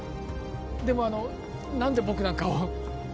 でもあの何で僕なんかを？